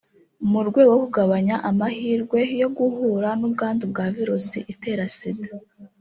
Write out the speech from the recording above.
mu rwego rwo kugabanya amahirwe yo guhura n’ubwandu bwa virusi itera Sida